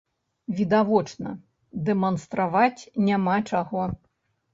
Відавочна, дэманстраваць няма чаго.